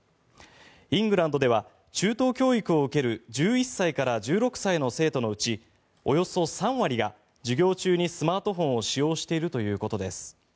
イングランドでは中等教育を受ける１１歳から１６歳の生徒のうちおよそ３割が授業中にスマートフォンを使用しているということです。